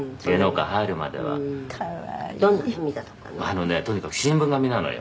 「あのねとにかく新聞紙なのよ」